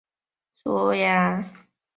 这时已是一六四八年。